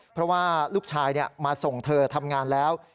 เพราะว่าลูกชายมาส่งเธอทำงานแล้ว